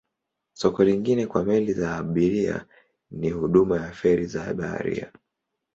Soko lingine kwa meli za abiria ni huduma ya feri za baharini.